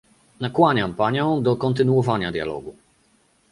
Nakłaniam panią do kontynuowania dialogu